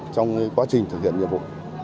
trong quá trình thực hiện nhiệm vụ